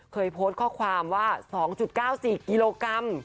เคยโพสต์ข้อความว่า๒๙๔กิโลกรัม